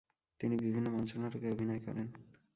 তিনি বিভিন্ন মঞ্চনাটকে অভিনয় করেন।